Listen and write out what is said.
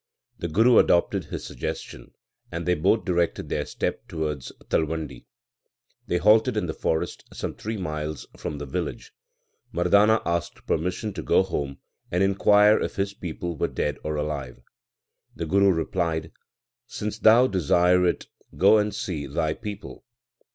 The Guru adopted his suggestion, and they both directed their steps towards Talwandi. They halted in the forest some three miles from the village. Mardana asked permission to go home and inquire if his people were dead or alive. The Guru replied, Since thou desire it, go and see thy people.